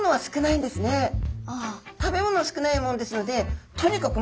食べ物少ないもんですのでとにかく